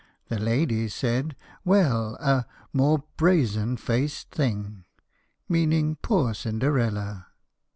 The ladies said, " Well, a More brazen faced thing !" meaning poor Cinderella.